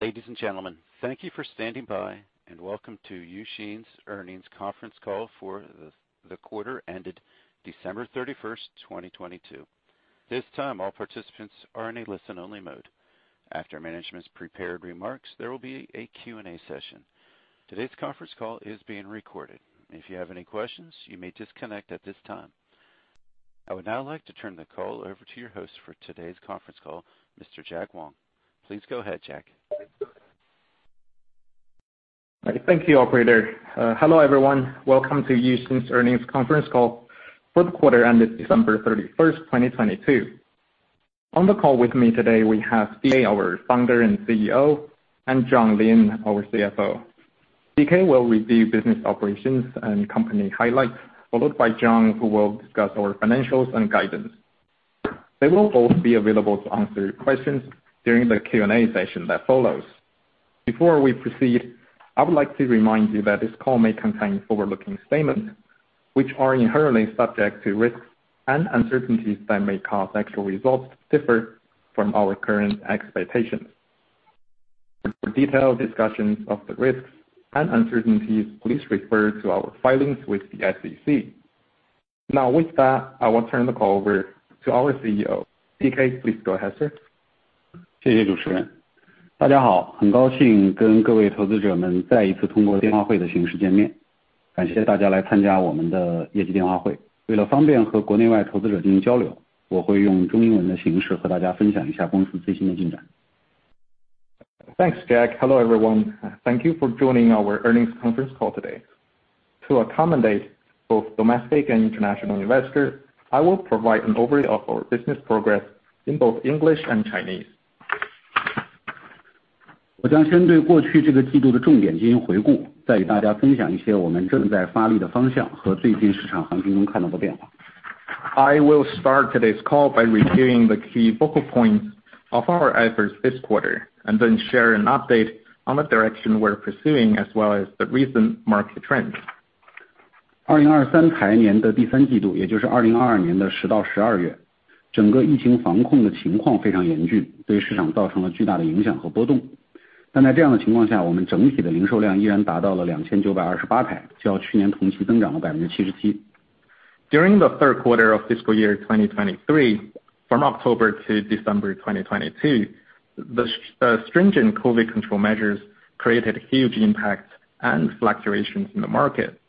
Ladies and gentlemen, thank you for standing by, and welcome to Uxin's earnings conference call for the quarter ended December 31st, 2022. This time, all participants are in a listen-only mode. After management's prepared remarks, there will be a Q&A session. Today's conference call is being recorded. If you have any questions, you may disconnect at this time. I would now like to turn the call over to your host for today's conference call, Mr. Jack Wang. Please go ahead, Jack. Thank you, operator. Hello, everyone. Welcome to Uxin's earnings conference call for the quarter ended December 31st, 2022. On the call with me today, we have DK, our founder and CEO, and John Lin, our CFO. DK will review business operations and company highlights, followed by John, who will discuss our financials and guidance. They will both be available to answer your questions during the Q&A session that follows. Before we proceed, I would like to remind you that this call may contain forward-looking statements, which are inherently subject to risks and uncertainties that may cause actual results to differ from our current expectations. For detailed discussions of the risks and uncertainties, please refer to our filings with the SEC. Now, with that, I will turn the call over to our CEO. DK, please go ahead, sir. Thanks, Jack. Hello, everyone. Thank you for joining our earnings conference call today. To accommodate both domestic and international investors, I will provide an overview of our business progress in both English and Chinese. I will start today's call by reviewing the key focal points of our efforts this quarter and then share an update on the direction we're pursuing, as well as the recent market trends. During the third quarter of fiscal year 2023, from October to December 2022, the stringent COVID control measures created huge impacts and fluctuations in the market.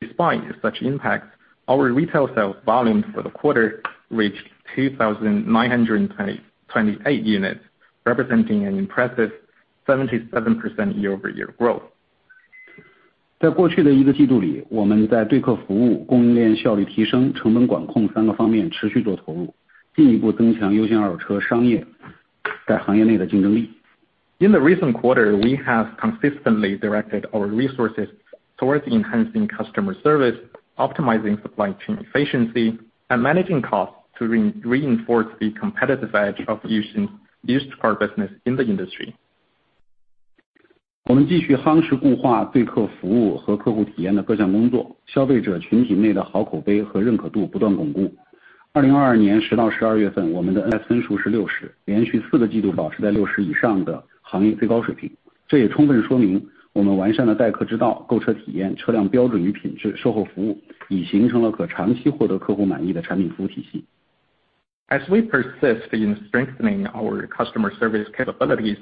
Despite such impacts, our retail sales volume for the quarter reached 2,928 units, representing an impressive 77% year-over-year growth. In the recent quarter, we have consistently directed our resources towards enhancing customer service, optimizing supply chain efficiency, and managing costs to reinforce the competitive edge of Uxin's used car business in the industry. As we persist in strengthening our customer service capabilities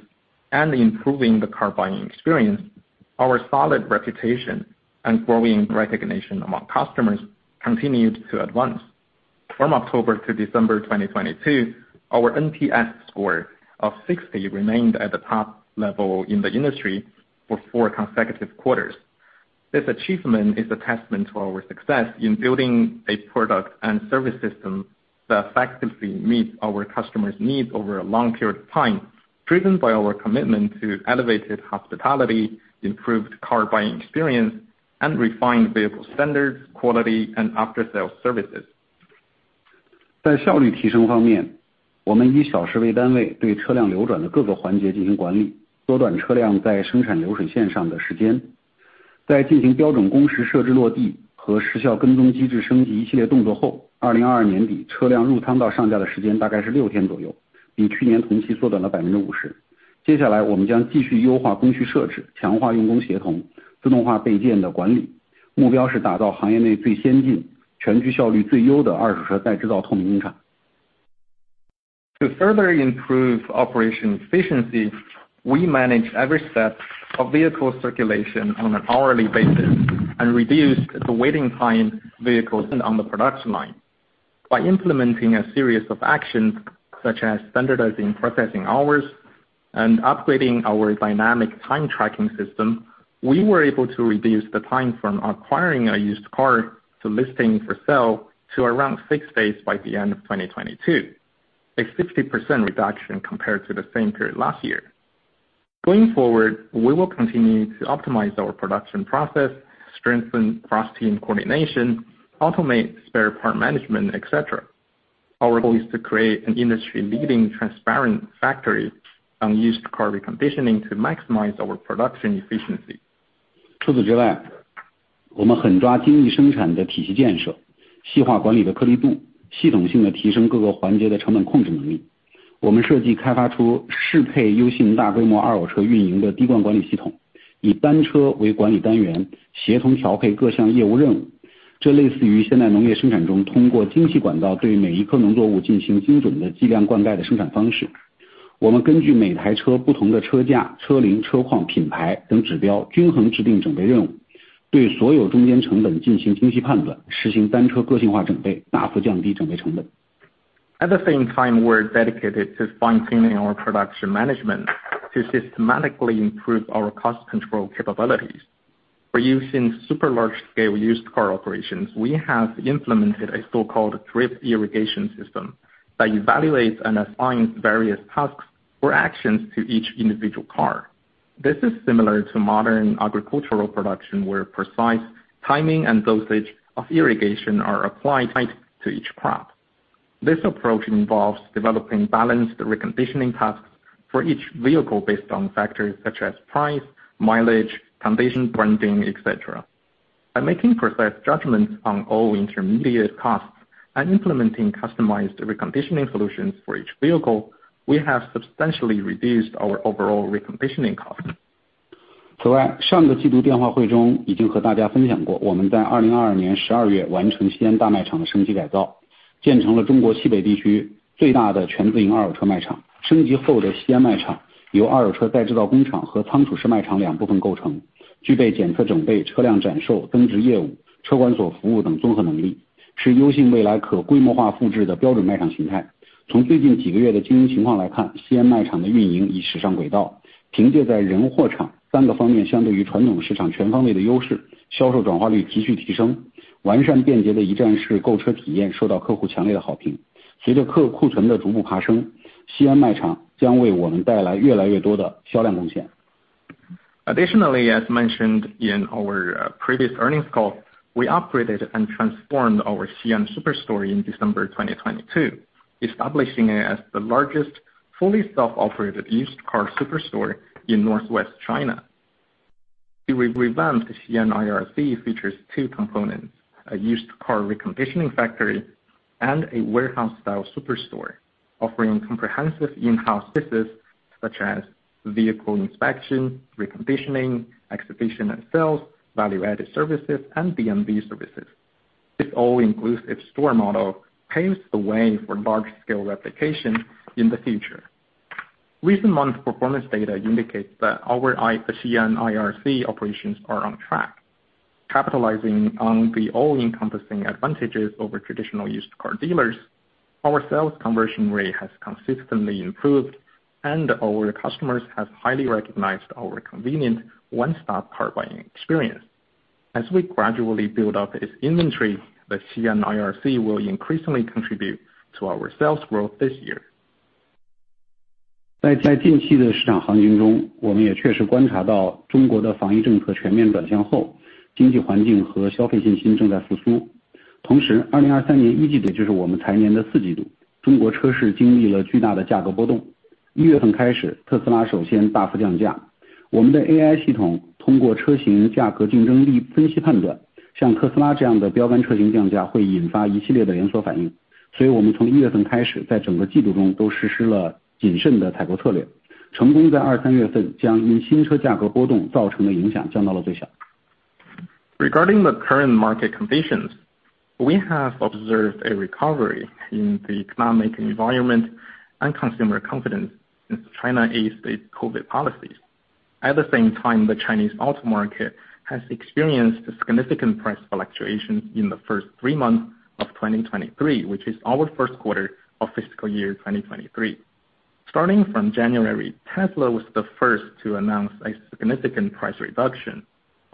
and improving the car buying experience, our solid reputation and growing recognition among customers continued to advance. From October to December 2022, our NPS score of 60 remained at the top level in the industry for four consecutive quarters. This achievement is a testament to our success in building a product and service system that effectively meets our customers' needs over a long period of time, driven by our commitment to elevated hospitality, improved car buying experience, and refined vehicle standards, quality, and after-sales services. To further improve operation efficiency, we manage every step of vehicle circulation on an hourly basis and reduce the waiting time vehicles in on the production line. By implementing a series of actions such as standardizing processing hours and upgrading our dynamic time tracking system, we were able to reduce the time from acquiring a used car to listing for sale to around six days by the end of 2022, a 50% reduction compared to the same period last year. Going forward, we will continue to optimize our production process, strengthen cross-team coordination, automate spare part management, et cetera. Our goal is to create an industry-leading transparent factory and used car reconditioning to maximize our production efficiency. 我们狠抓精益生产的体系建 设， 细化管理的颗粒 度， 系统性地提升各个环节的成本控制能力。我们设计开发出适配优信大规模二手车运营的滴灌管理系 统， 以单车为管理单 元， 协同调配各项业务任务。这类似于现代农业生产中通过精细管道对每一棵农作物进行精准的计量灌溉的生产方式。我们根据每台车不同的车架、车龄、车况、品牌等指 标， 均衡制定整备任 务， 对所有中间成本进行精细判 断， 实行单车个性化整 备， 大幅降低整备成本。At the same time, we are dedicated to fine-tuning our production management to systematically improve our cost control capabilities. For Uxin super large-scale used car operations, we have implemented a so-called drip irrigation system that evaluates and assigns various tasks or actions to each individual car. This is similar to modern agricultural production, where precise timing and dosage of irrigation are applied tightly to each crop. This approach involves developing balanced reconditioning tasks for each vehicle based on factors such as price, mileage, condition, branding, etc. By making precise judgments on all intermediate costs and implementing customized reconditioning solutions for each vehicle, we have substantially reduced our overall reconditioning costs. 此 外， 上个季度电话会中已经和大家分享 过， 我们在2022年12月完成西安大卖场的升级改 造， 建成了中国西北地区最大的全自营二手车卖 场. 升级后的西安卖场由二手车再制造工厂和仓储式卖场两部分构 成, 具备检测整备、车辆展售、增值业务、车管所服务等综合能 力, 是优信未来可规模化复制的标准卖场形 态. 从最近几个月的经营情况来 看, 西安卖场的运营已驶上轨 道, 凭借在人、货、场三个方面相对于传统市场全方位的优 势, 销售转化率持续提 升, 完善便捷的一站式购车体验受到客户强烈的好 评. 随着库存的逐步爬 升, 西安卖场将为我们带来越来越多的销量贡 献. As mentioned in our previous earnings call, we upgraded and transformed our Xi'an superstore in December 2022, establishing it as the largest fully self-operated used car superstore in northwest China. The revamped Xi'an IRC features two components: a used car reconditioning factory and a warehouse-style superstore offering comprehensive in-house services such as vehicle inspection, reconditioning, exhibition and sales, value-added services, and DMV services. This all-inclusive store model paves the way for large-scale replication in the future. Recent month performance data indicates that our Xi'an IRC operations are on track, capitalizing on the all-encompassing advantages over traditional used car dealers. Our sales conversion rate has consistently improved, and our customers have highly recognized our convenient one-stop car buying experience. As we gradually build up its inventory, the Xi'an IRC will increasingly contribute to our sales growth this year. 在近期的市场行情 中， 我们也确实观察到中国的防疫政策全面转向 后， 经济环境和消费信心正在复苏。同时 ，2023 年预计的就是我们财年的四季 度， 中国车市经历了巨大的价格波动。一月份开 始， 特斯拉首先大幅降价。我们的 AI 系统通过车型价格竞争力分析判 断， 像特斯拉这样的标杆车型降价会引发一系列的连锁反应。我们从一月份开 始， 在整个季度中都实施了谨慎的采购策 略， 成功在二三月份将因新车价格波动造成的影响降到了最小。Regarding the current market conditions, we have observed a recovery in the economic environment and consumer confidence since China eased its COVID policies. At the same time, the Chinese auto market has experienced significant price fluctuations in the first three months of 2023, which is our first quarter of fiscal year 2023. Starting from January, Tesla was the first to announce a significant price reduction.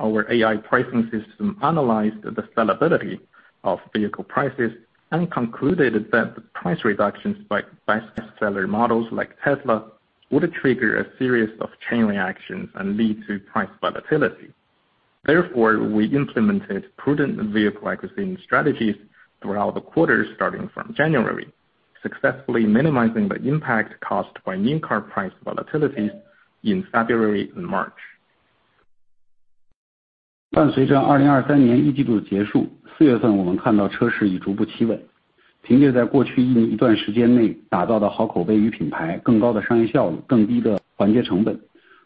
Our AI pricing system analyzed the sellability of vehicle prices and concluded that the price reductions by best-selling models like Tesla would trigger a series of chain reactions and lead to price volatility. Therefore, we implemented prudent vehicle acquisition strategies throughout the quarter, starting from January, successfully minimizing the impact caused by new car price volatility in February and March. 伴随着2023年一季度的结 束， 四月份我们看到车市已逐步企稳。凭借在过去一段时间内打造的好口碑与品 牌， 更高的商业效 率， 更低的环节成 本，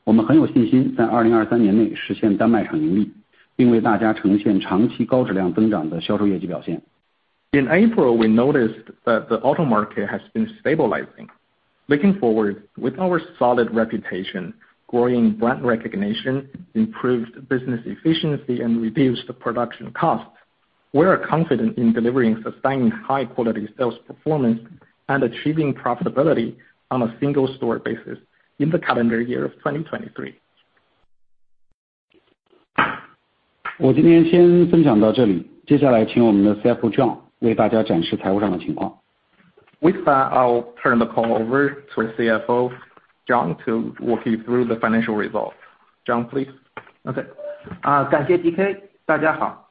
我们很有信心在2023年内实现单卖场盈 利， 并为大家呈现长期高质量增长的销售业绩表现。In April, we noticed that the auto market has been stabilizing. Looking forward, with our solid reputation, growing brand recognition, improved business efficiency, and reduced production costs, we are confident in delivering sustained high-quality sales performance and achieving profitability on a single-store basis in the calendar year of 2023. 我今天先分享到这 里， 接下来请我们的 CFO John 为大家展示财务上的情况。With that, I'll turn the call over to our CFO, John, to walk you through the financial results. John, please. OK， 感谢 DK， 大家好。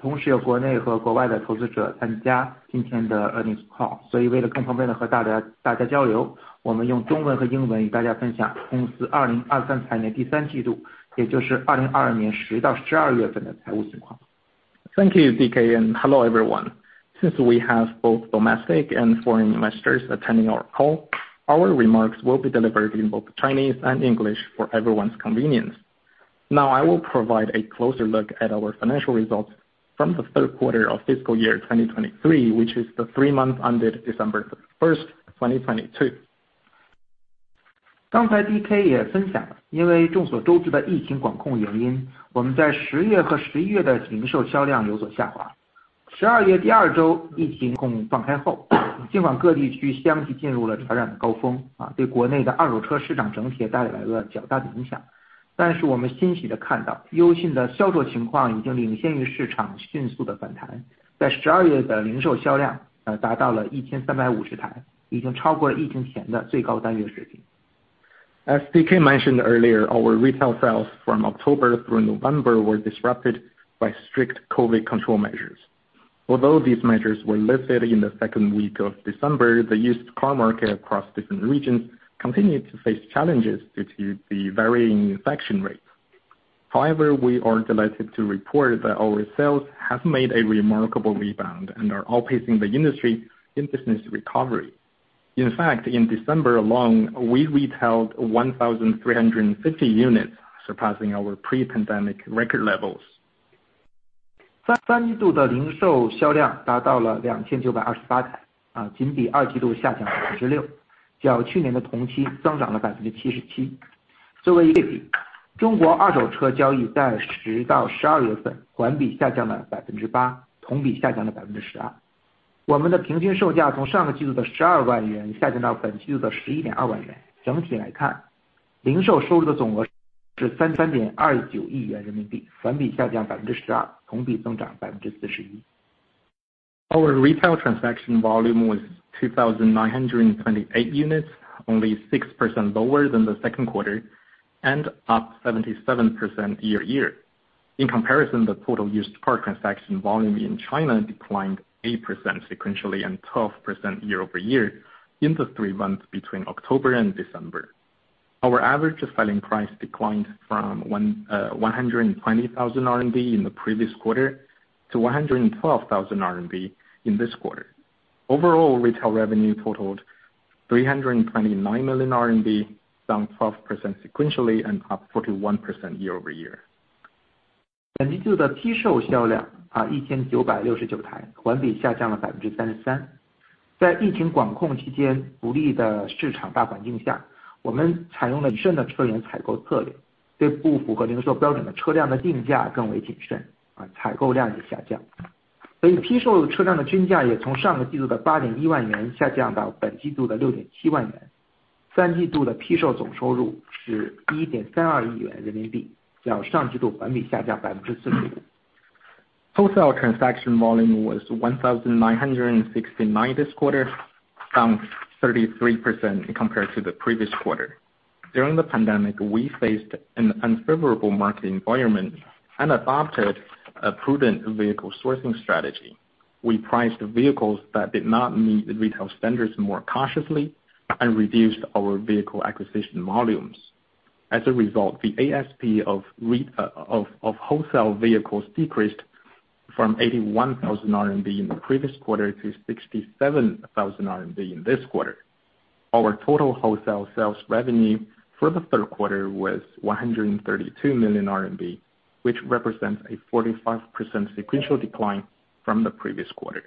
同时有国内和国外的投资者参加今天的 earnings call， 所以为了更方便地和大 家， 大家交 流， 我们用中文和英文与大家分享公司2023财年第3季 度， 也就是2022年10到12月份的财务情况。Thank you, DK and hello everyone! Since we have both domestic and foreign investors attending our call, our remarks will be delivered in both Chinese and English for everyone's convenience. Now I will provide a closer look at our financial results from the third quarter of fiscal year 2023, which is the three months ended December 1st, 2022. 刚才 DK 也分享 了， 因为众所周知的疫情管控原 因， 我们在十月和十一月的零售销量有所下 滑. 十二月第二 周， 疫情控放开 后， 尽管各地区相继进入了传染的高 峰， 对国内的二手车市场整体也带来了一个较大的影 响. 我们欣喜地看 到， 优信的销售情况已经领先于市 场， 迅速地反 弹， 在十二月的零售销量达到了 1,350 台， 已经超过了疫情前的最高单月水 平. As DK mentioned earlier, our retail sales from October through November were disrupted by strict COVID control measures. Although these measures were lifted in the second week of December, the used car market across different regions continued to face challenges due to the varying infection rates. We are delighted to report that our sales have made a remarkable rebound and are outpacing the industry in business recovery. In fact, in December alone, we retailed 1,350 units, surpassing our pre-pandemic record levels. 三， 三季度的零售销量达到了两千九百二十八 台， 啊， 仅比二季度下降了百分之 六， 较去年的同期增长了百分之七十七。作为一个 比， 中国二手车交易在十到十二月份环比下降了百分之 八， 同比下降了百分之十二。我们的平均售价从上个季度的十二万元下降到本季度的十一点二万元。整体来 看， 零售收入的总额是三十二点二九亿元人民 币， 环比下降百分之十 二， 同比增长百分之四十一。Our retail transaction volume was 2,928 units, only 6% lower than the second quarter and up 77% year-over-year. In comparison, the total used car transaction volume in China declined 8% sequentially and 12% year-over-year in the three months between October and December. Our average selling price declined from 120,000 RMB in the previous quarter to 112,000 RMB in this quarter. Overall, retail revenue totaled 329 million RMB, down 12% sequentially and up 41% year-over-year. 本季度的批售销量 啊， 一千九百六十九 台， 环比下降了百分之三十三。在疫情管控期间不利的市场大环境 下， 我们采用了谨慎的车辆采购策 略， 对不符合零售标准的车辆的定价更为谨 慎， 啊， 采购量也下降。所以批售车辆的均价也从上个季度的八点一万元下降到本季度的六点七万元。三季度的批售总收入是一点三二亿元人民 币， 较上季度环比下降百分之四十五。Wholesale transaction volume was 1,969 this quarter, down 33% compared to the previous quarter. During the pandemic, we faced an unfavorable market environment and adopted a prudent vehicle sourcing strategy. We priced vehicles that did not meet retail standards more cautiously and reduced our vehicle acquisition volumes. As a result, the ASP of wholesale vehicles decreased from 81,000 RMB in the previous quarter to 67,000 RMB in this quarter. Our total wholesale sales revenue for the third quarter was 132 million RMB, which represents a 45% sequential decline from the previous quarter.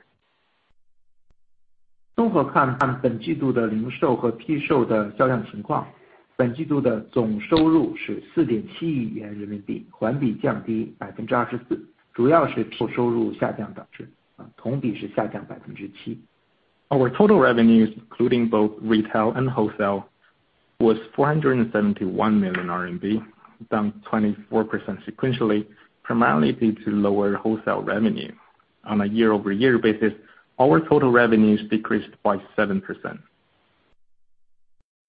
综合看本季度的零售和批售的销量情 况， 本季度的总收入是 CNY 4.7 亿， 环比降低 24%， 主要是批售收入下降导 致， 同比是下降 7%。Our total revenues, including both retail and wholesale, was 471 million RMB, down 24% sequentially, primarily due to lower wholesale revenue. On a year-over-year basis, our total revenues decreased by 7%.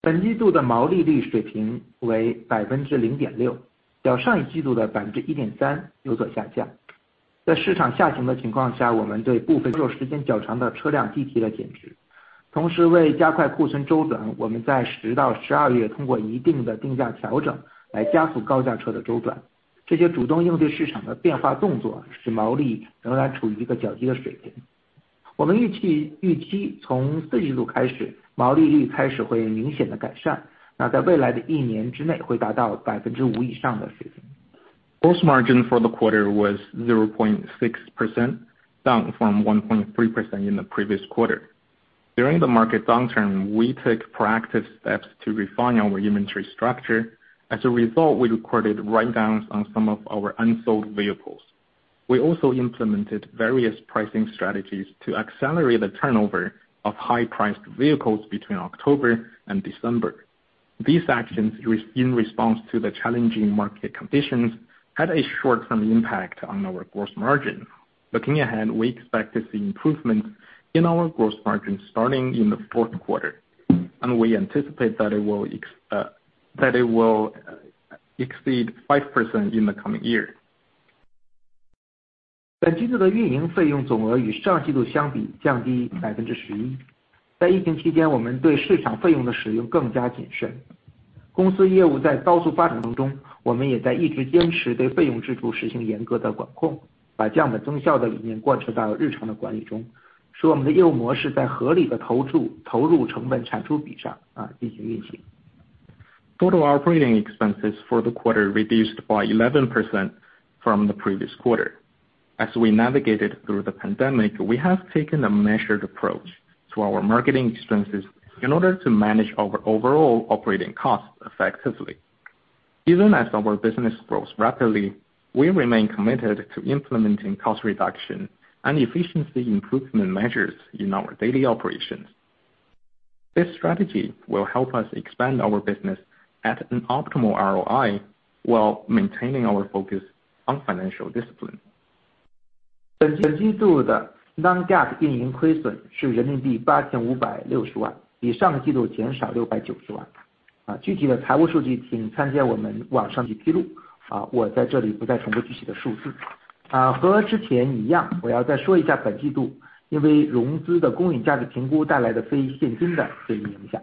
本季度的毛利率水平为 0.6%， 较上1季度的 1.3% 有所下降。在市场下行的情况 下， 我们对部分入股时间较长的车辆积极地减 持， 同时为加快库存周 转， 我们在 10到12月 通过一定的定价调整来加速高价车的周转。这些主动应对市场的变化动作使毛利仍然处于一个较低的水平。我们预期从 Q4 开 始， 毛利率开始会明显地改 善， 那在未来的 1年 之内会达到 5% 以上的水平。Gross margin for the quarter was 0.6%, down from 1.3% in the previous quarter. During the market downturn, we took proactive steps to refine our inventory structure. As a result, we recorded write-downs on some of our unsold vehicles. We also implemented various pricing strategies to accelerate the turnover of high-priced vehicles between October and December. These actions, in response to the challenging market conditions, had a short-term impact on our gross margin. Looking ahead, we expect to see improvements in our gross margin starting in the fourth quarter, and we anticipate that it will exceed 5% in the coming year. 本季度的运营费用总额与上季度相比降低 11%。在疫情期 间， 我们对市场费用的使用更加谨慎。公司业务在高速发展当 中， 我们也在一直坚持对费用支出实行严格的管 控， 把降本增效的理念贯彻到日常的管理 中， 使我们的业务模式在合理的投入成本产出比上进行运行。Total operating expenses for the quarter reduced by 11% from the previous quarter. As we navigated through the pandemic, we have taken a measured approach to our marketing expenses in order to manage our overall operating costs effectively. Even as our business grows rapidly, we remain committed to implementing cost reduction and efficiency improvement measures in our daily operations. This strategy will help us expand our business at an optimal ROI while maintaining our focus on financial discipline. 本季度的 non-GAAP 运营亏损是 CNY 85.6 million， 比上个季度减少 CNY 6.9 million。具体的财务数据请参见我们网上的披 露， 我在这里不再重复具体的数字。和之前一 样， 我要再说一下本季度因为融资的公允价值评估带来的非现金的税影响。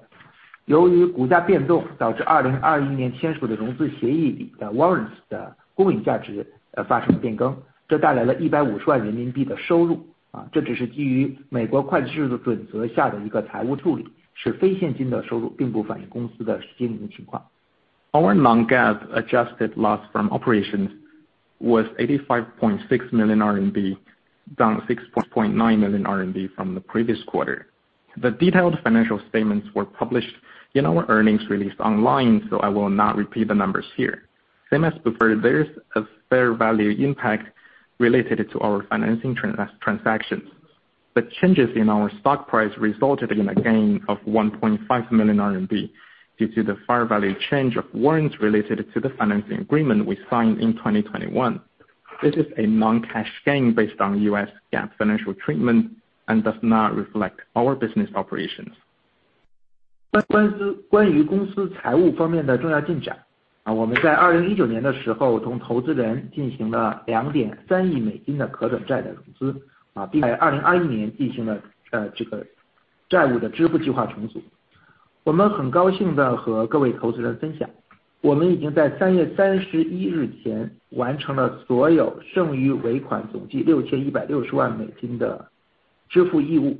由于股价变 动， 导致2021年签署的融资协议里的 warrants 的公允价值发生了变 更， 这带来了 CNY 1.5 million 的收 入， 这只是基于美国会计制度准则下的一个财务处理，是非现金的收 入， 并不反映公司的经营情况。Our non-GAAP adjusted loss from operations was 85.6 million RMB, down 6.9 million RMB from the previous quarter. The detailed financial statements were published in our earnings release online. I will not repeat the numbers here. Same as before, there is a fair value impact related to our financing transactions. The changes in our stock price resulted in a gain of 1.5 million RMB due to the fair value change of warrants related to the financing agreement we signed in 2021. This is a non-cash gain based on U.S. GAAP financial treatment and does not reflect our business operations. 关-关于公司财务方面的重要进展。啊我们在2019年的时 候， 同投资人进行了两点三亿美金的可转债的融 资， 啊并在2021年进行 了， 呃， 这个债务的支付计划重组。我们很高兴地和各位投资人分 享， 我们已经在3月31日前完成了所有剩余尾 款， 总计六千一百六十万美金的支付义务。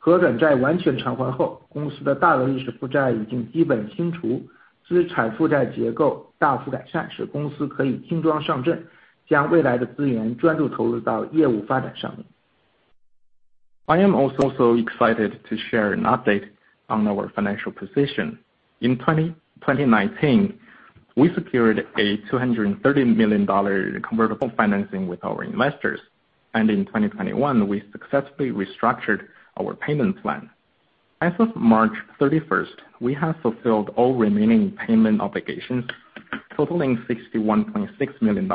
可转债完全偿还 后， 公司的大额历史负债已经基本清 除， 资产负债结构大幅改 善， 使公司可以轻装上 阵， 将未来的资源专注投入到业务发展上面。I am also excited to share an update on our financial position. In 2019, we secured a $230 million convertible financing with our investors. In 2021, we successfully restructured our payment plan. As of March 31st, we have fulfilled all remaining payment obligations totaling $61.6 million.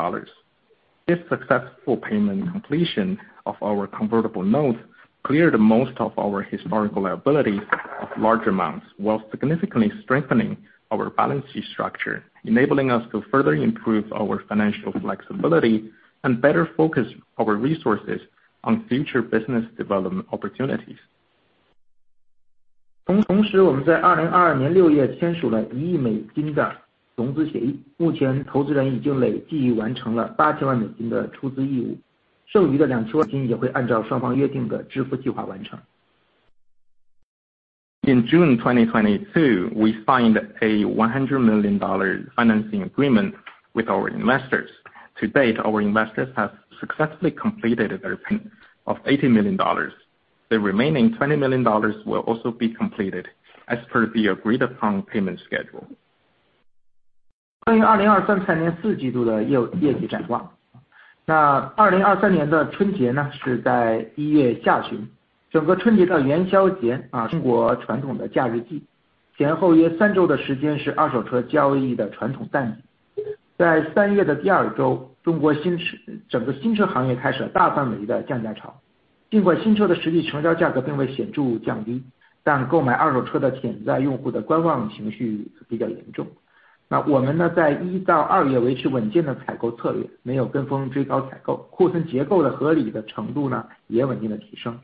The successful payment completion of our convertible note cleared most of our historical liabilities of large amounts, while significantly strengthening our balance sheet structure, enabling us to further improve our financial flexibility and better focus our resources on future business development opportunities. 同时我们在2022年6月签署了 $100 million 的融资协 议. 目前投资人已经累计完成了 $80 million 的出资义 务， 剩余的 $20 million 也会按照双方约定的支付计划完 成. In June 2022, we signed a $100 million financing agreement with our investors. To date, our investors have successfully completed their plan of $80 million. The remaining $20 million will also be completed as per the agreed upon payment schedule. 关于2023年四季度的业务--业绩展望。那2023年的春节 呢， 是在一月下 旬， 整个春节到元宵 节， 啊， 中国传统的假日 季， 前后约三周的时间是二手车交易的传统淡季。在三月的第二 周， 中国新车--整个新车行业开始了大范围的降价潮。尽管新车的实际成交价格并未显著降 低， 但购买二手车的潜在用户的观望情绪比较严重。那我们 呢， 在一到二月维持稳定的采购策 略， 没有跟风追高采 购， 库存结构的合理的程度 呢， 也稳定了提升。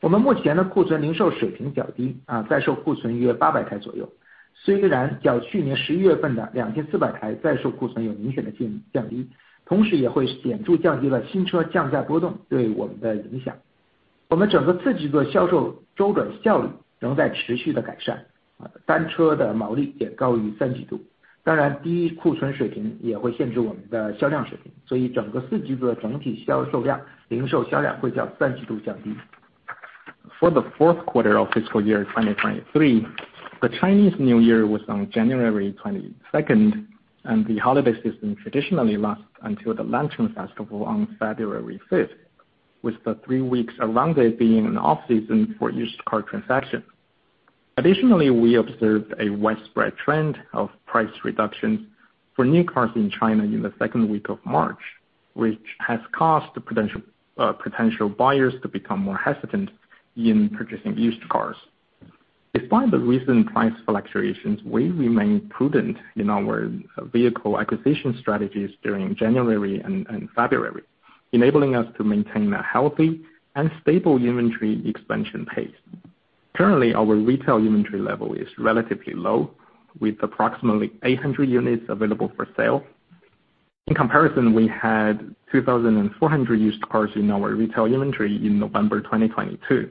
我们目前的库存零售水平较 低， 啊在售库存约八百台左 右， 虽然较去年十一月份的两千四百台在售库存有明显的降-降 低， 同时也会显著降低了新车降价波动对我们的影响。我们整个四季度的销售周转效率仍在持续地改 善， 啊单车的毛利也高于三季度。当 然， 低库存水平也会限制我们的销量水 平， 所以整个四季度的整体销售 量， 零售销量会较三季度降低。For the fourth quarter of fiscal year 2023, the Chinese New Year was on January 22nd, and the holiday season traditionally lasts until the Lantern Festival on February 5th, with the three weeks around it being an off-season for used car transactions. Additionally, we observed a widespread trend of price reductions for new cars in China in the second week of March, which has caused potential buyers to become more hesitant in purchasing used cars. Despite the recent price fluctuations, we remain prudent in our vehicle acquisition strategies during January and February, enabling us to maintain a healthy and stable inventory expansion pace. Currently, our retail inventory level is relatively low, with approximately 800 units available for sale. In comparison, we had 2,400 used cars in our retail inventory in November 2022.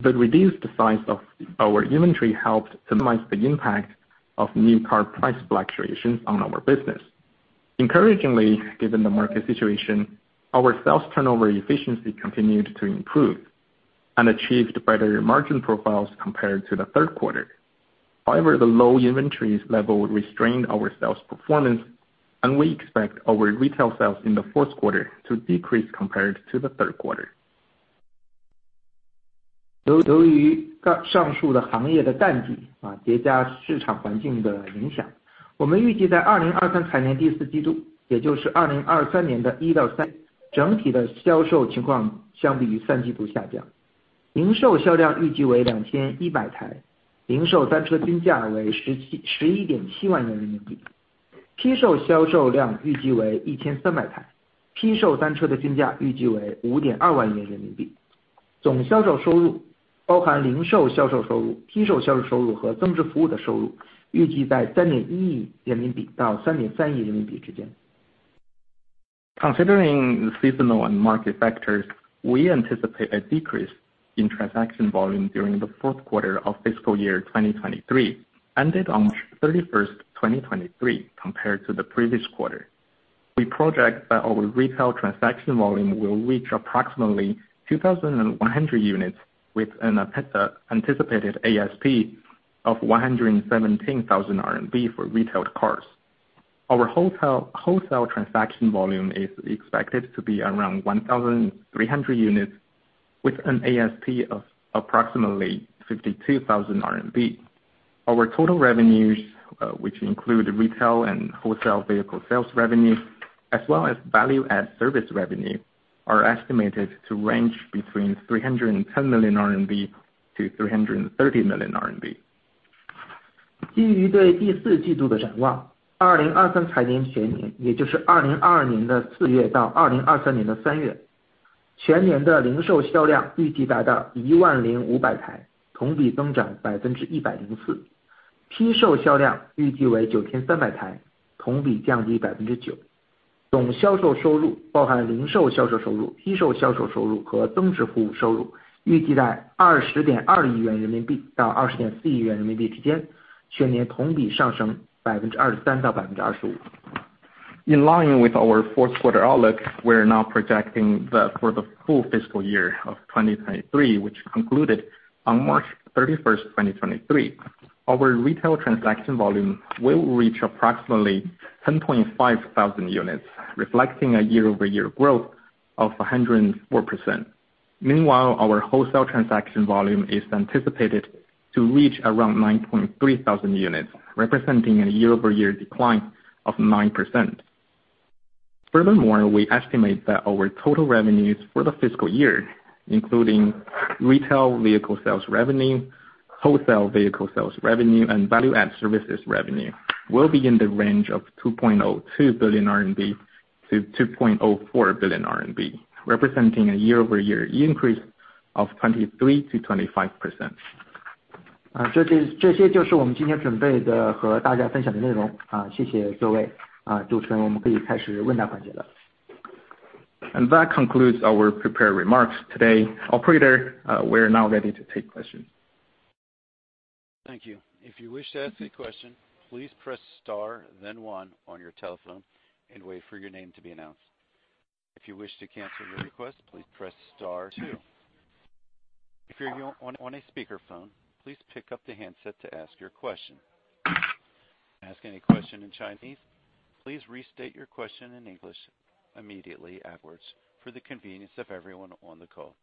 The reduced size of our inventory helped minimize the impact of new car price fluctuations on our business. Encouragingly, given the market situation, our sales turnover efficiency continued to improve and achieved better margin profiles compared to the third quarter. However, the low inventory level restrained our sales performance, and we expect our retail sales in the fourth quarter to decrease compared to the third quarter. Considering the seasonal and market factors, we anticipate a decrease in transaction volume during the fourth quarter of fiscal year 2023, ended on March 31st, 2023 compared to the previous quarter. We project that our retail transaction volume will reach approximately 2,100 units with an anticipated ASP of 117,000 RMB for retailed cars. Our wholesale transaction volume is expected to be around 1,300 units, with an ASP of approximately 52,000 RMB. Our total revenues, which include retail and wholesale vehicle sales revenue, as well as value-added service revenue, are estimated to range between 310 million RMB and 330 million RMB. In line with our fourth quarter outlook, we're now projecting that for the full fiscal year of 2023, which concluded on March 31, 2023, our retail transaction volume will reach approximately 10.5 thousand units, reflecting a year-over-year growth of 104%. Meanwhile, our wholesale transaction volume is anticipated to reach around 9.3 thousand units, representing a year-over-year decline of 9%. Furthermore, we estimate that our total revenues for the fiscal year, including retail vehicle sales revenue, wholesale vehicle sales revenue, and value-added services revenue, will be in the range of 2.02 billion-2.04 billion RMB, representing a year-over-year increase of 23%-25%. That concludes our prepared remarks today. Operator, we're now ready to take questions. Thank you. If you wish to ask a question, please press star then one on your telephone and wait for your name to be announced. If you wish to cancel your request, please press star two. If you're on a speakerphone, please pick up the handset to ask your question. Ask any question in Chinese, please restate your question in English immediately afterwards for the convenience of everyone on the call.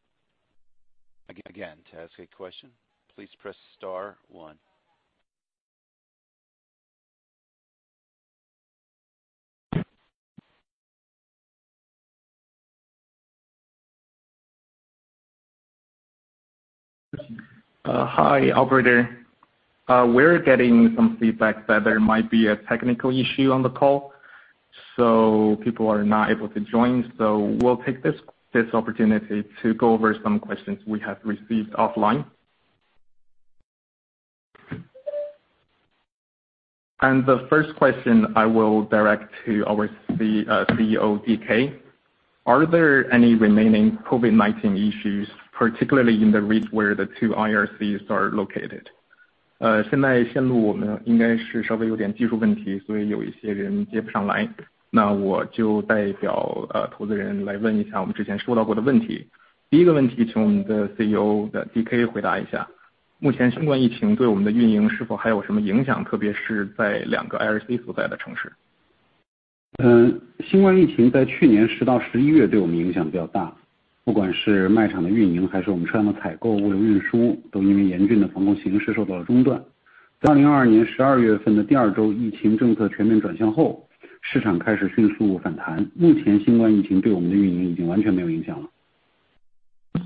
Again, to ask a question, please press star one. Hi, operator. We're getting some feedback that there might be a technical issue on the call. People are not able to join. We'll take this opportunity to go over some questions we have received offline. The first question I will direct to our CEO, DK. Are there any remaining COVID-19 issues, particularly in the regions where the two IRCs are located? 嗯新冠疫情在去年十到十一月对我们影响比较大，不管是卖场的运 营， 还是我们车辆的采 购， 物流运 输， 都因为严峻的防控形势受到了中断。在2022年12月份的第二 周， 疫情政策全面转向 后， 市场开始迅速反弹。目 前， 新冠疫情对我们的运营已经完全没有影响了。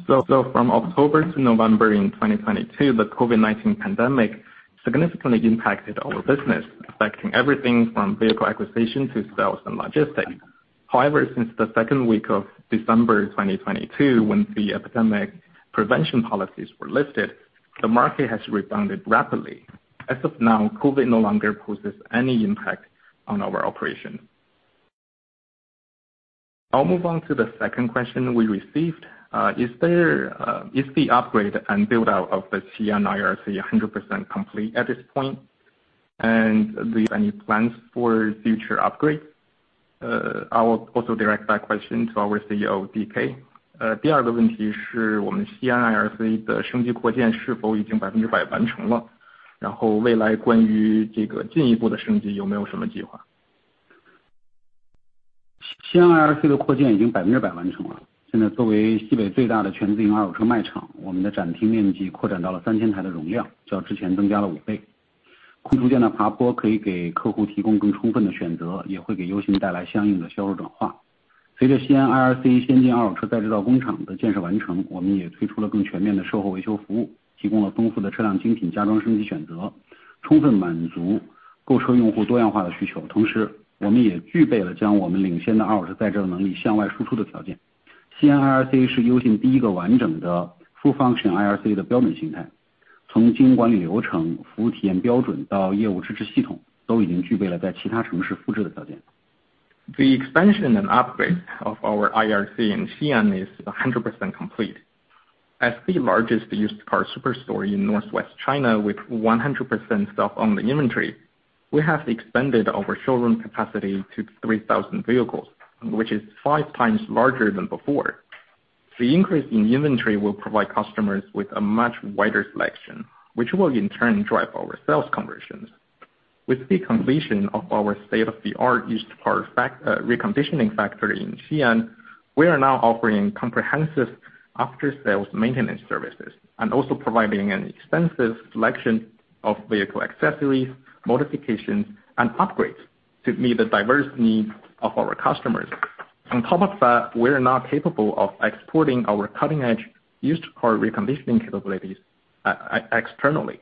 From October to November in 2022, the COVID-19 pandemic significantly impacted our business, affecting everything from vehicle acquisition to sales and logistics. Since the second week of December 2022, when the epidemic prevention policies were lifted, the market has rebounded rapidly. As of now, COVID no longer poses any impact on our operation. I'll move on to the second question we received. Is there, is the upgrade and build-out of the Xi'an IRC 100% complete at this point? Do you have any plans for future upgrades? I will also direct that question to our CEO DK. 第二个问题是我们西安 IRC 的升级扩建是否已经百分之百完成 了， 然后未来关于这个进一步的升级有没有什么计划。西安 IRC 的扩建已经百分之百完成了。现在作为西北最大的全自营二手车卖 场， 我们的展厅面积扩展到了三千台的容 量， 较之前增加了五倍。库存量的爬坡可以给客户提供更充分的选 择， 也会给优信带来相应的销售转化。随着西安 IRC 先进二手车再制造工厂的建设完 成， 我们也推出了更全面的售后维修服 务， 提供了丰富的车辆精品、加装升级选 择， 充分满足购车用户多样化的需求。同 时， 我们也具备了将我们领先的二手车再制造能力向外输出的条件。西安 IRC 是优信第一个完整的 full function IRC 的标准形态，从经营管理流程、服务体验标准到业务支持系 统， 都已经具备了在其他城市复制的条件。The expansion and upgrade of our IRC in Xi'an is 100% complete. As the largest used car superstore in northwest China with 100% stock on the inventory, we have expanded our showroom capacity to 3,000 vehicles, which is 5x larger than before. The increase in inventory will provide customers with a much wider selection, which will in turn drive our sales conversions. With the completion of our state-of-the-art used car reconditioning factory in Xi'an, we are now offering comprehensive after-sales maintenance services and also providing an extensive selection of vehicle accessories, modifications, and upgrades to meet the diverse needs of our customers. On top of that, we're now capable of exporting our cutting-edge used car reconditioning capabilities externally.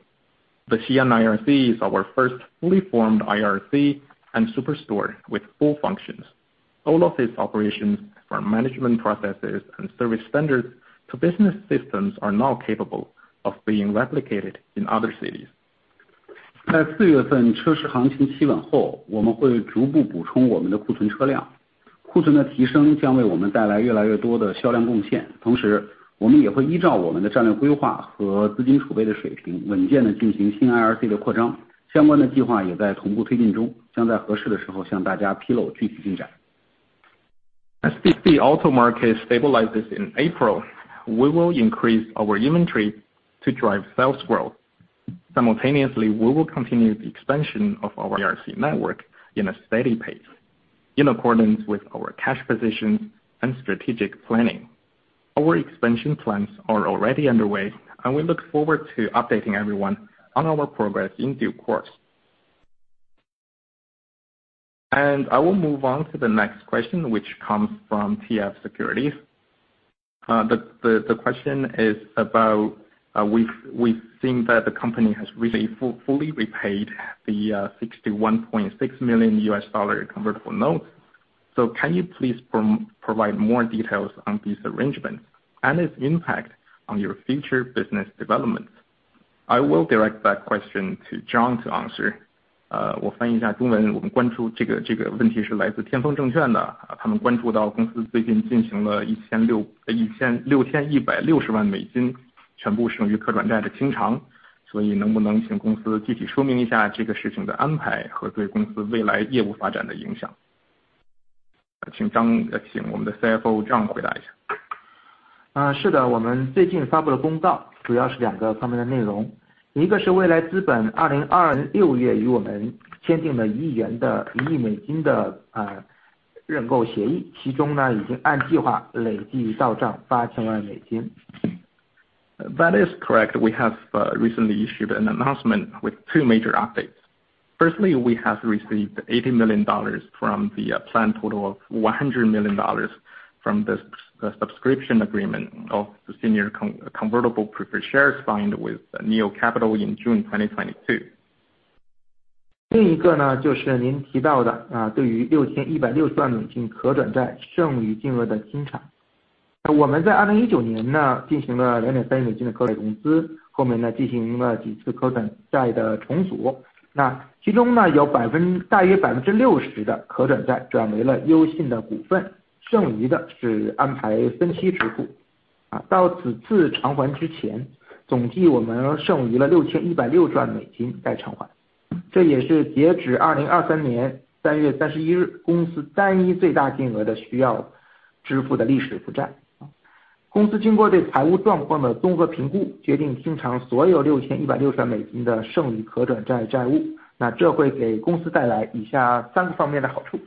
The Xi'an IRC is our first fully formed IRC and superstore with full functions. All of its operations, from management processes and service standards to business systems, are now capable of being replicated in other cities. 在四月份车市行情企稳 后， 我们会逐步补充我们的库存车辆，库存的提升将为我们带来越来越多的销量贡 献. 同 时， 我们也会依照我们的战略规划和资金储备的水 平， 稳健地进行新 IRC 的扩 林， 相关的计划也在同步推进 中， 将在合适的时候向大家披露具体进 展. As the auto market stabilizes in April, we will increase our inventory to drive sales growth. Simultaneously, we will continue the expansion of our IRC network in a steady pace in accordance with our cash position and strategic planning. Our expansion plans are already underway, and we look forward to updating everyone on our progress in due course. I will move on to the next question, which comes from Tianfeng Securities. The question is about we've seen that the company has recently fully repaid the $61.6 million convertible notes. Can you please provide more details on this arrangement and its impact on your future business development? I will direct that question to John to answer. 我翻译一下中文。我们关注这 个， 这个问题是来自 Tianfeng Securities 的， 他们关注到公司最近进行了 $61.6 million， 全部剩余 convertible note 的清偿。所以能不能请公司具体说明一下这个事情的安排和对公司未来业务发展的影 响? 请我们的 CFO John 回答一下。啊是 的， 我们最近发布了公 告， 主要是两个方面的内 容， 一个是未来资本2026月与我们签订了一亿元的一亿美金的呃认购协 议， 其中呢已经按计划累计到账八千万美金。That is correct. We have recently issued an announcement with two major updates. Firstly, we have received $80 million from the planned total of $100 million from the subscription agreement of the senior convertible preferred shares signed with NIO Capital in June 2022. 另一个 呢, 就是您提到 的, 对于 $61.6 million convertible note 剩余金额的清 偿. 我们在2019呢进行了 $30 million 的股权融 资, 后面呢进行了几次 convertible note 的重 组, 那其中 呢, 有大约 60% 的 convertible note 转为了 Uxin 的股 份, 剩余的是安排分期支 付. 到此次偿还之 前, 总计我们剩余了 $61.6 million 待偿 还, 这也是截止 March 31, 2023公司单一最大金额的需要支付的历史负 债. 公司经过对财务状况的综合评 估， 决定清偿所有 $61.6 million 的剩余可转债债 务， 那这会给公司带来以下三个方面的好处。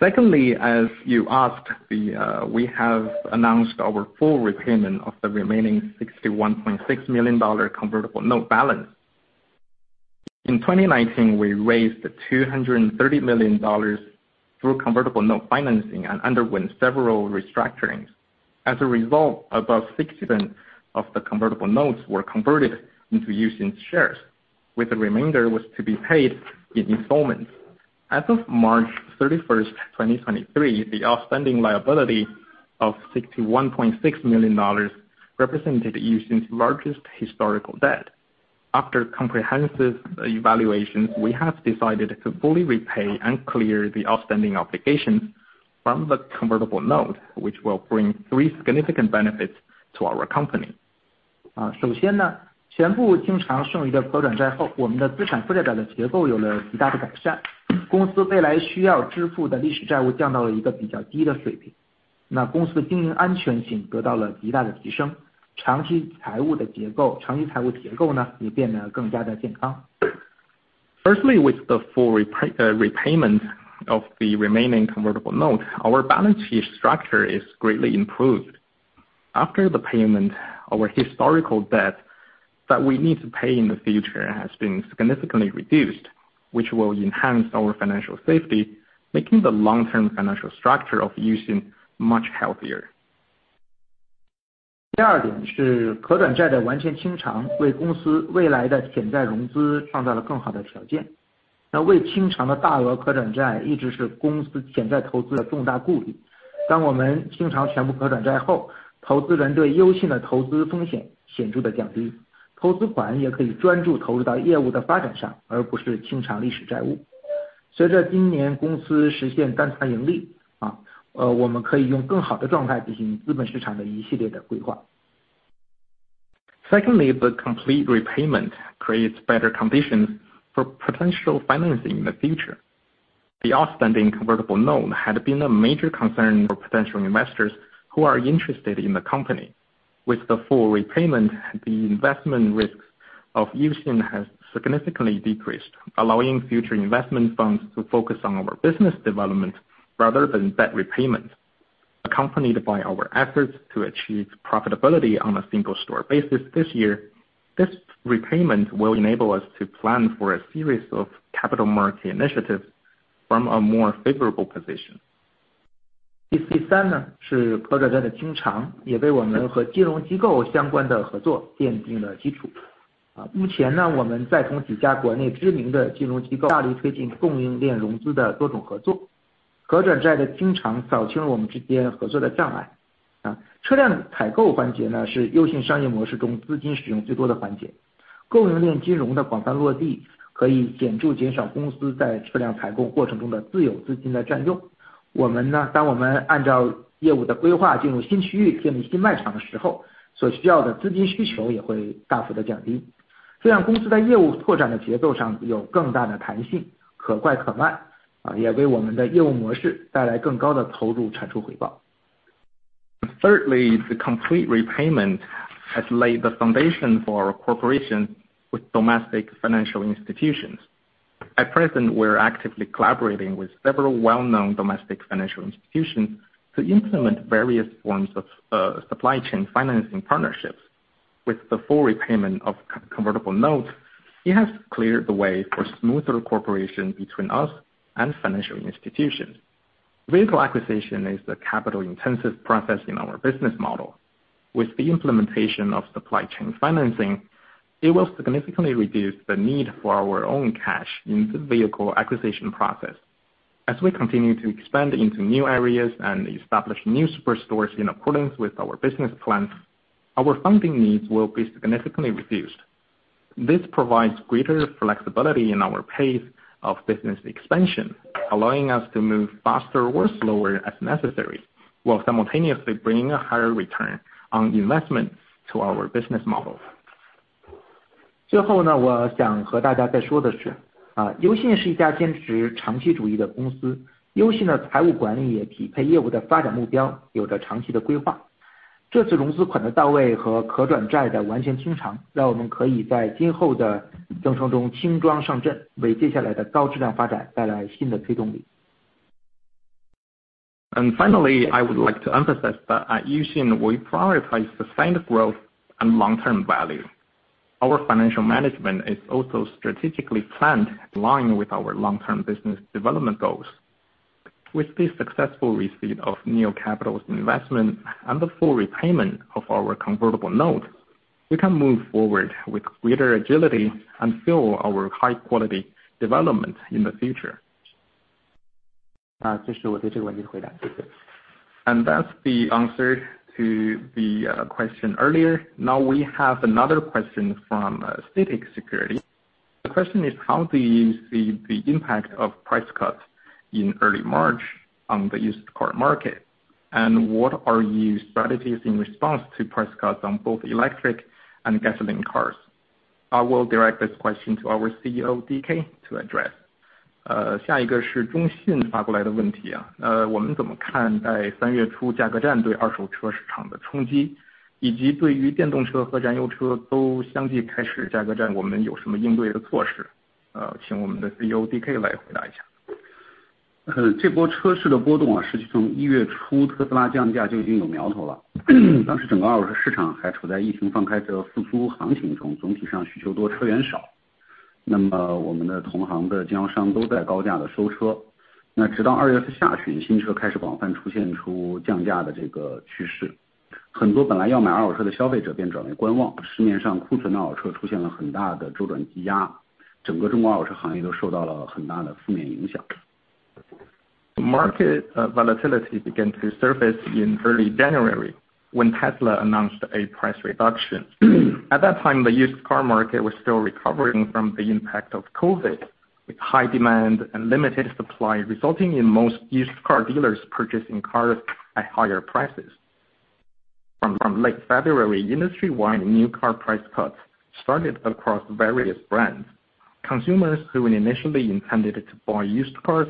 Secondly, as you asked, we have announced our full repayment of the remaining $61.6 million convertible note balance. In 2019, we raised $230 million through convertible note financing and underwent several restructurings. As a result, above 60% of the convertible notes were converted into Uxin's shares, with the remainder was to be paid in installments. As of March 31st, 2023, the outstanding liability of $61.6 million represented Uxin's largest historical debt. After comprehensive evaluations, we have decided to fully repay and clear the outstanding obligations from the convertible note, which will bring three significant benefits to our company. 首先 呢， 全部清偿剩余的可转债 后， 我们的资产负债表的结构有了极大的改 善， 公司未来需要支付的历史债务降到了一个比较低的水 平， 那公司的经营安全性得到了极大的提 升， 长期财务结构呢也变得更加的健康。Firstly, with the full repayment of the remaining convertible note, our balance sheet structure is greatly improved. After the payment, our historical debt that we need to pay in the future has been significantly reduced, which will enhance our financial safety, making the long-term financial structure of Uxin much healthier. 第二点是可转债的完全清 偿， 为公司未来的潜在融资创造了更好的条件。那未清偿的大额可转债一直是公司潜在投资的重大顾虑。当我们清偿全部可转债 后， 投资人对优信的投资风险显著地降 低， 投资款也可以专注投入到业务的发展 上， 而不是清偿历史债务。随着今年公司实现单店盈 利， 我们可以用更好的状态进行资本市场的一系列的规划。Secondly, the complete repayment creates better conditions for potential financing in the future. The outstanding convertible note had been a major concern for potential investors who are interested in the company. With the full repayment, the investment risks of Uxin has significantly decreased, allowing future investment funds to focus on our business development rather than debt repayment. Accompanied by our efforts to achieve profitability on a single store basis this year, this repayment will enable us to plan for a series of capital market initiatives from a more favorable position. 第三呢，是可转债的清偿，也为我们和金融机构相关的合作奠定了基础。目前呢，我们在同几家国内知名的金融机构大力推进供应链融资的多种合作，可转债的清偿扫清了我们之间合作的障碍。车辆采购环节呢，是Uxin商业模式中资金使用最多的环节。供应链金融的广泛落地可以显著减少公司在车辆采购过程中的自有资金的占用。我们呢，当我们按照业务的规划进入新区域建立新卖场的时候，所需要的资金需求也会大幅地降低，这让公司在业务拓展的节奏上有更大的弹性，可快可慢，也为我们的业务模式带来更高的投入产出回报。Thirdly, the complete repayment has laid the foundation for our cooperation with domestic financial institutions. At present, we're actively collaborating with several well-known domestic financial institutions to implement various forms of supply chain financing partnerships. With the full repayment of convertible notes, it has cleared the way for smoother cooperation between us and financial institutions. Vehicle acquisition is a capital-intensive process in our business model. With the implementation of supply chain financing, it will significantly reduce the need for our own cash in the vehicle acquisition process. As we continue to expand into new areas and establish new superstores in accordance with our business plans, our funding needs will be significantly reduced. This provides greater flexibility in our pace of business expansion, allowing us to move faster or slower as necessary, while simultaneously bringing a higher return on investment to our business model. 最后 呢， 我想和大家再说的 是， 优信是一家坚持长期主义的公司。优信的财务管理也匹配业务的发展目 标， 有着长期的规划。这次融资款的到位和可转债的完全清 偿， 让我们可以在今后的征程中轻装上 阵， 为接下来的高质量发展带来新的推动力。Finally, I would like to emphasize that at Uxin, we prioritize sustained growth and long-term value. Our financial management is also strategically planned in line with our long-term business development goals. With the successful receipt of new capital investment and the full repayment of our convertible notes, we can move forward with greater agility and fuel our high-quality development in the future. 这是我对这个问题回 答. That's the answer to the question earlier. Now we have another question from CITIC Securities. The question is how do you see the impact of price cuts in early March on the used car market? What are your strategies in response to price cuts on both electric and gasoline cars? I will direct this question to our CEO DK to address. 下一个是中信发过来的问 题. 我们怎么看在三月初价格战对二手车市场的冲 击， 以及对于电动车和燃油车都相继开始价格 战， 我们有什么应对的措 施？ 请我们的 CEODK 来回答一 下. 这波车市的波 动, 实际上从一月初 Tesla 降价就已经有苗头 了. 当时整个二手车市场还处在疫情放开之后复苏行情 中, 总体上需求 多, 车源 少. 我们的同行的经销商都在高价的收 车, 直到二月的下 旬, 新车开始广泛出现出降价的这个趋 势. 很多本来要买二手车的消费者便转为观 望, 市面上库存的二手车出现了很大的周转积 压, 整个 China 二手车行业都受到了很大的负面影 响. Market volatility began to surface in early January when Tesla announced a price reduction. At that time, the used car market was still recovering from the impact of COVID, with high demand and limited supply resulting in most used car dealers purchasing cars at higher prices. From late February, industry-wide new car price cuts started across various brands. Consumers who had initially intended to buy used cars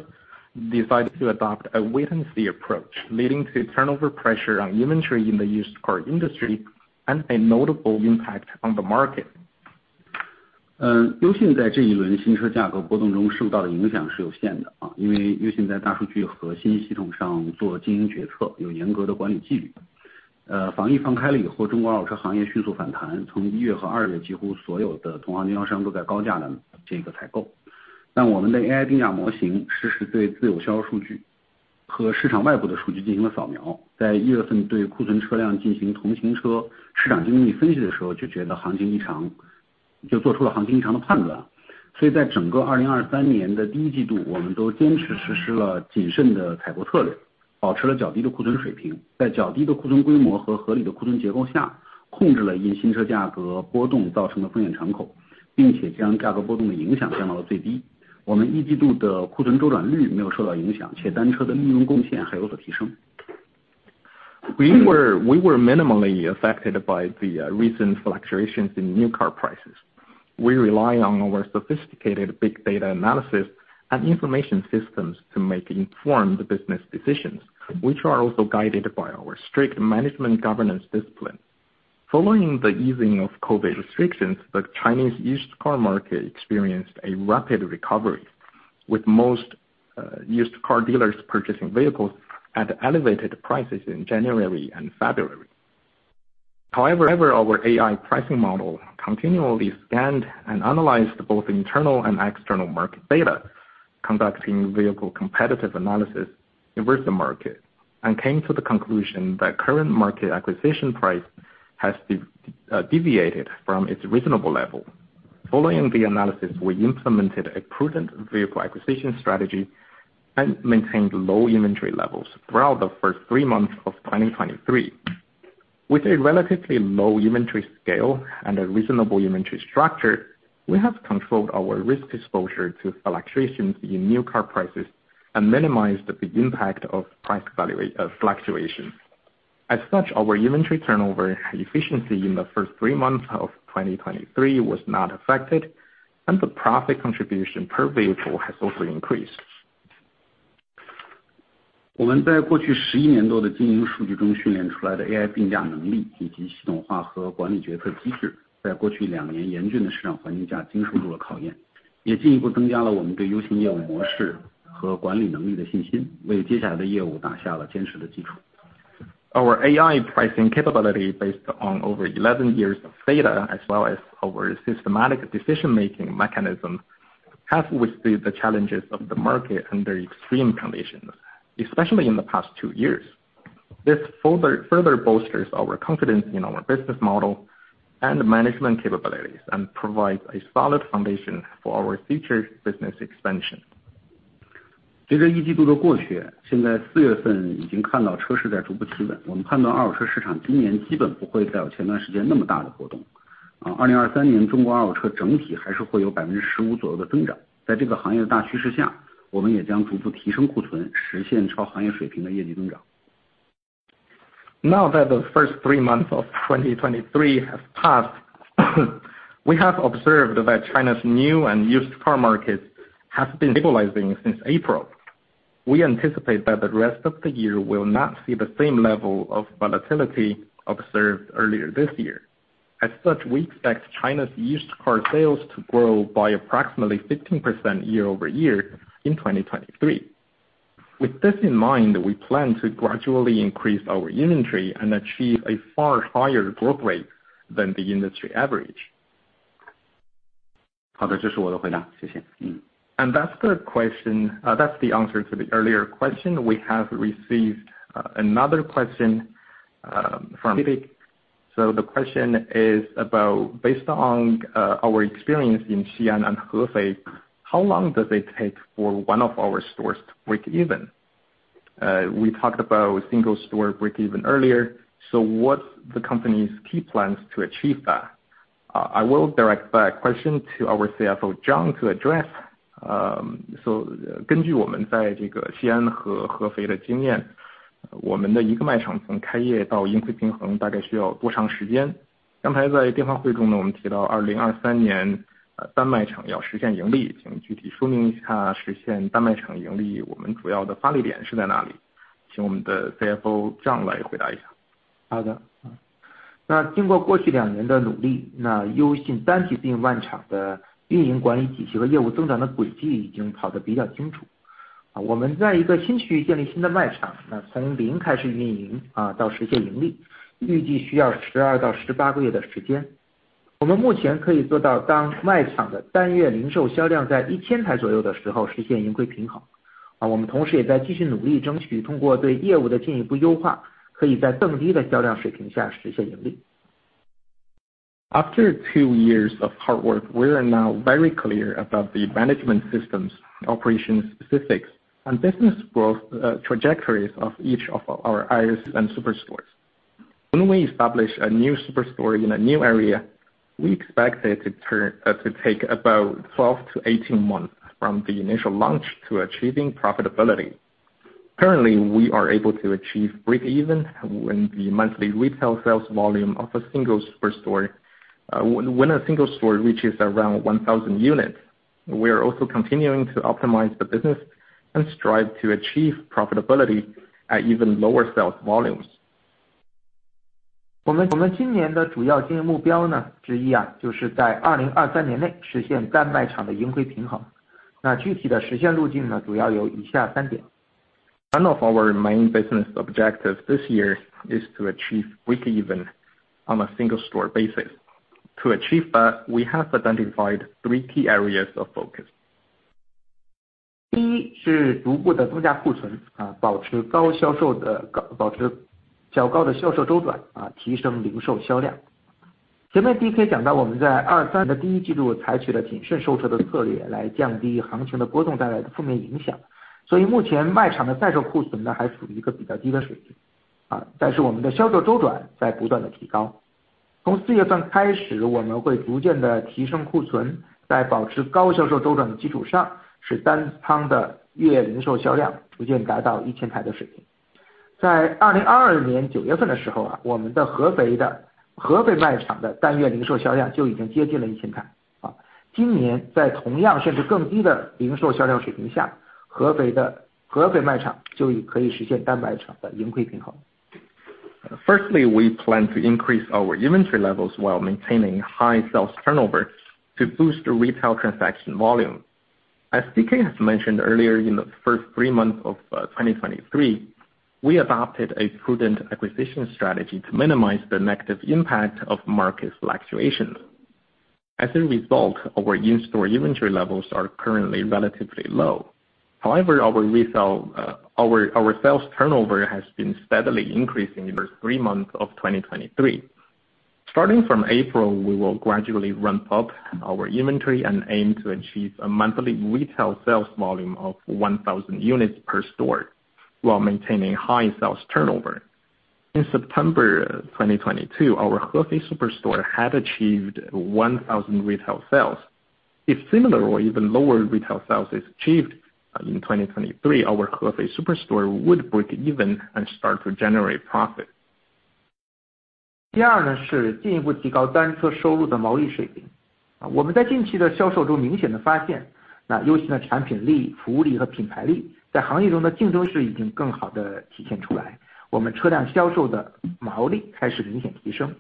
decided to adopt a wait-and-see approach, leading to turnover pressure on inventory in the used car industry and a notable impact on the market. Uxin 在这一轮新车价格波动中受到的影响是有限 的， 因为 Uxin 在大数据和信息系统上做经营决 策， 有严格的管理纪律。防疫放开了以 后， 中国二手车行业迅速反 弹， 从 January 和 February， 几乎所有的同行经销商都在高价的这个采购。我们的 AI 定价模型实时对自有销售数据和市场外部的数据进行了扫描。在 January 份对库存车辆进行同型车市场竞争力分析的时 候， 就觉得行情异 常， 就做出了行情异常的判断。在整个2023的 Q1， 我们都坚持实施了谨慎的采购策 略， 保持了较低的库存水 平， 在较低的库存规模和合理的库存结构 下， 控制了因新车价格波动造成的风险敞 口， 并且将价格波动的影响降到了最低。我们 Q1 的库存周转率没有受到影 响， 且单车的利润贡献还有所提升。We were minimally affected by the recent fluctuations in new car prices. We rely on our sophisticated big data analysis and information systems to make informed business decisions, which are also guided by our strict management governance discipline. Following the easing of COVID restrictions, the Chinese used car market experienced a rapid recovery, with most used car dealers purchasing vehicles at elevated prices in January and February. However, our AI pricing model continually scanned and analyzed both internal and external market data, conducting vehicle competitive analysis in the market, and came to the conclusion that current market acquisition price has deviated from its reasonable level. Following the analysis, we implemented a prudent vehicle acquisition strategy and maintained low inventory levels throughout the first three months of 2023. With a relatively low inventory scale and a reasonable inventory structure, we have controlled our risk exposure to fluctuations in new car prices and minimized the impact of price fluctuation. Our inventory turnover efficiency in the first three months of 2023 was not affected, and the profit contribution per vehicle has also increased. 我们在过去11年多的经营数据中训练出来的 AI 定价能 力， 以及系统化和管理决策机 制， 在过去2年严峻的市场环境下经受住了考 验， 也进一步增加了我们对 Uxin 业务模式和管理能力的信 心， 为接下来的业务打下了坚实的基础。Our AI pricing capability, based on over 11 years of data, as well as our systematic decision-making mechanism, have withstood the challenges of the market under extreme conditions, especially in the past two years. This further bolsters our confidence in our business model and management capabilities, and provides a solid foundation for our future business expansion. 随着一季度的过 去， 现在四月份已经看到车市在逐步企 稳， 我们判断二手车市场今年基本不会再有前段时间那么大的波动。啊2023年中国二手车整体还是会有百分之十五左右的增长。在这个行业的大趋势 下， 我们也将逐步提升库 存， 实现超行业水平的业绩增长。Now that the first three months of 2023 have passed, we have observed that China's new and used car markets has been stabilizing since April. We anticipate that the rest of the year will not see the same level of volatility observed earlier this year. As such, we expect China's used car sales to grow by approximately 15% year-over-year in 2023. With this in mind, we plan to gradually increase our inventory and achieve a far higher growth rate than the industry average. 好 的， 这是我的回答。谢谢。That's the question. That's the answer to the earlier question. We have received another question from 笔 名. The question is about based on our experience in 西安 and 合 肥, how long does it take for one of our stores to break even? We talked about single store break even earlier. What's the company's key plan to achieve that? I will direct that question to our CFO John to address. 根据我们在这个西安和合肥的经验我们的一个卖场从开业到盈亏平衡大概需要多长时 间？ 刚才在电话会中 呢， 我们提到2023 年， 单卖场要实现盈 利， 请具体说明一 下， 实现单卖场盈 利， 我们主要的发力点是在哪 里？ 请我们的 CFO Lin 来回答一下。好的。那经过过去两年的努 力， 那优信单体店、卖场的运营管理体系和业务增长的轨迹已经跑得比较清楚。我们在一个新区域建立新的卖 场， 那从零开始运 营， 啊， 到实现盈 利， 预计需要十二到十八个月的时间。我们目前可以做 到， 当卖场的单月零售销量在一千台左右的时候实现盈亏平衡。啊我们同时也在继续努力争 取， 通过对业务的进一步优 化， 可以在更低的销量水平下实现盈利。After two years of hard work, we are now very clear about the management systems, operations specifics, and business growth trajectories of each of our IRCs and superstores. When we establish a new superstore in a new area, we expect it to turn to take about 12-18 months from the initial launch to achieving profitability. Currently, we are able to achieve breakeven when the monthly retail sales volume of a single superstore, when a single store reaches around 1,000 units. We are also continuing to optimize the business and strive to achieve profitability at even lower sales volumes. 我们今年的主要经营目标呢之 一, 就是在2023年内实现单卖场的盈亏平 衡. 具体的实现路径 呢, 主要有以下 three 点. One of our main business objectives this year is to achieve breakeven on a single-store basis. To achieve that, we have identified three key areas of focus. 第一是逐步地增加库 存， 保持较高的销售周 转， 提升零售销量。前面 DK 讲到我们在2023的第一季度采取了谨慎售车的策略来降低行情的波动带来的负面影 响， 所以目前卖场的在售库存 呢， 还处于一个比较低的水平。但是我们的销售周转在不断地提高。从四月份开 始， 我们会逐渐地提升库 存， 在保持高销售周转的基础 上， 使单仓的月零售销量逐渐达到 1,000 台的水平。在2022年9月份的时 候， 我们的合肥卖场的单月零售销量就已经接近了 1,000 台。今年在同样甚至更低的零售销量水平 下， 合肥卖场就已可以实现单卖场的盈亏平衡。Firstly, we plan to increase our inventory levels while maintaining high sales turnover to boost retail transaction volume. As DK has mentioned earlier, in the first three months of 2023, we adopted a prudent acquisition strategy to minimize the negative impact of market fluctuation. As a result, our in-store inventory levels are currently relatively low. However, our retail sales turnover has been steadily increasing in the three months of 2023. Starting from April, we will gradually ramp up our inventory and aim to achieve a monthly retail sales volume of 1,000 units per store, while maintaining high sales turnover. In September 2022, our Hefei Superstore had achieved 1,000 retail sales. If similar or even lower retail sales is achieved in 2023, our Hefei Superstore would break even and start to generate profit. 第二 呢, 是进一步提高单车收入的毛利水 平. 我们在近期的销售中明显地发 现, 那 Uxin 的产品力、服务力和品牌力在行业中的竞争势已经更好地体现出 来, 我们车辆销售的毛利开始明显提 升.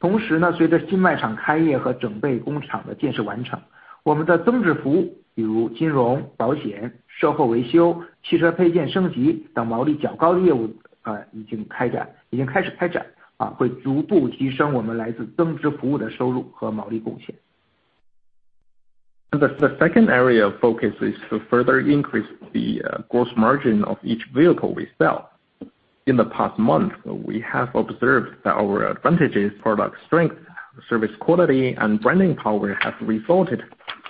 同时 呢, 随着新卖场开业和整备工厂的建设完 成, 我们的增值服 务, 比如金融、保险、售后维修、汽车配件升级等毛利较高的业 务, 已经开始开 展, 会逐步提升我们来自增值服务的收入和毛利贡 献. The second area of focus is to further increase the gross margin of each vehicle we sell. In the past month, we have observed that our advantages, product strength, service quality, and branding power have resulted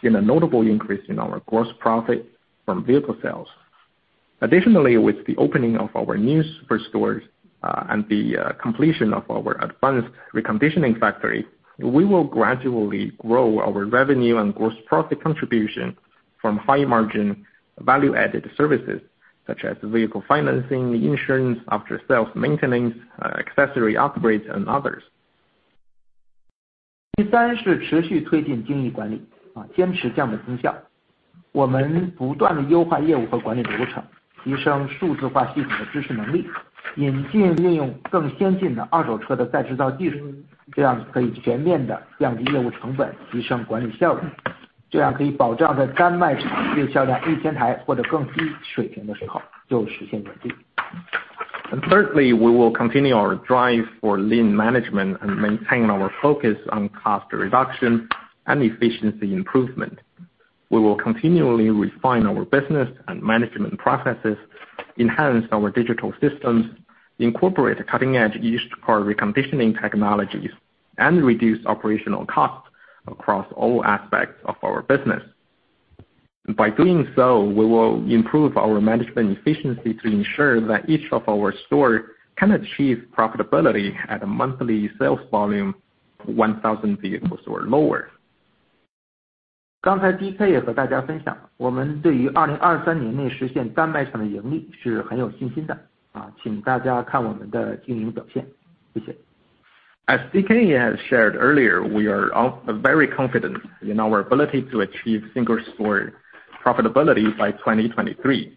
in a notable increase in our gross profit from vehicle sales. With the opening of our new superstore and the completion of our advanced reconditioning factory, we will gradually grow our revenue and gross profit contribution from high-margin-value-added services such as vehicle financing, insurance, after-sales, maintenance, accessory upgrades, and others. 第三是持续推进精益管 理， 坚持降本增效。我们不断地优化业务和管理流 程， 提升数字化系统的支持能 力， 引进运用更先进的二手车的再制造技 术， 这样可以全面地降低业务成 本， 提升管理效 率， 这样可以保障在单卖场月销量 1,000 台或者更低水平的时候就实现盈利。Thirdly, we will continue our drive for lean management and maintain our focus on cost reduction and efficiency improvement. We will continually refine our business and management processes, enhance our digital systems, incorporate cutting-edge used car reconditioning technologies, and reduce operational costs across all aspects of our business. By doing so, we will improve our management efficiency to ensure that each of our stores can achieve profitability at a monthly sales volume of 1,000 vehicles or lower. 刚才 DK 也和大家分 享， 我们对于2023年内实现单卖场的盈利是很有信心的。请大家看我们的经营表现。谢谢。As DK has shared earlier, we are all very confident in our ability to achieve single-store profitability by 2023.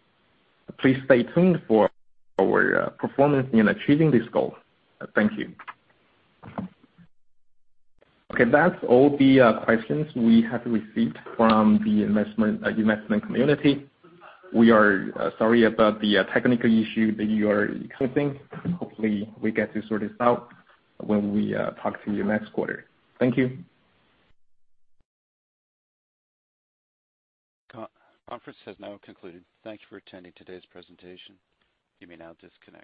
Please stay tuned for our performance in achieving this goal. Thank you. Okay, that's all the questions we have received from the investment community. We are sorry about the technical issue that you are having. Hopefully, we get to sort this out when we talk to you next quarter. Thank you. Conference has now concluded. Thank you for attending today's presentation. You may now disconnect.